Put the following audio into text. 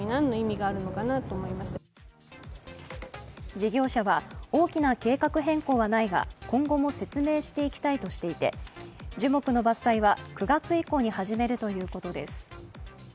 事業者は大きな計画変更はないが今後も説明していきたいとしていて、樹木の伐採は９月以降に始めるということです。